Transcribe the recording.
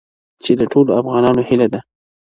چي د ټولو افغانانو هیله ده--!